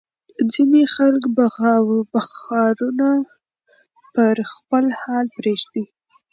ځینې خلک بخارونه پر خپل حال پرېږدي.